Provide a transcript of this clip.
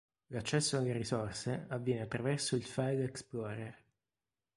L'accesso alle risorse avviene attraverso il File Explorer.